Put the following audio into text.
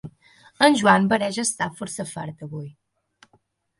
En Juan pareix estar força fart avui.